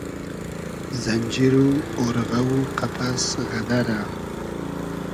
زئنجیر و اۉرغۂ و قئپئس غئدئرۂ